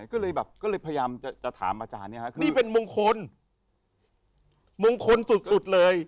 ก็เลยพยายามจะถามอาจารย์เนี่ยนี่เป็นมงคลมงคลสุดเลย